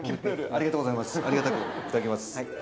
ありがとうございます。